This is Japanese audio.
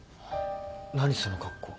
何その格好。